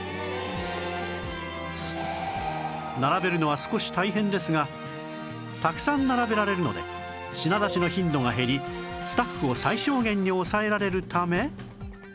並べるのは少し大変ですがたくさん並べられるので品出しの頻度が減りスタッフを最小限に抑えられるため